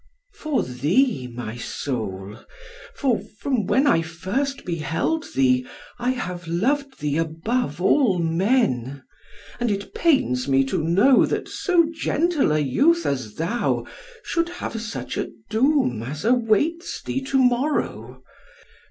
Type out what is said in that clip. "For thee, my soul; for, from when I first beheld thee, I have loved thee above all men. And it pains me to know that so gentle a youth as thou should have such a doom as awaits thee to morrow.